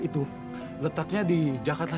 itu letaknya di jakarta